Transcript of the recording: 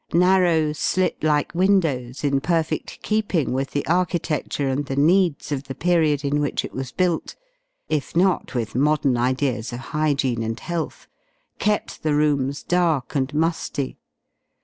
Narrow, slit like windows in perfect keeping with the architecture and the needs of the period in which it was built if not with modern ideas of hygiene and health kept the rooms dark and musty.